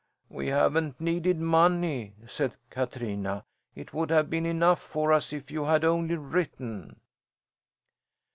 "We haven't needed money," said Katrina. "It would have been enough for us if you had only written."